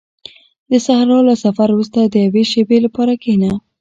• د صحرا له سفر وروسته د یوې شېبې لپاره کښېنه.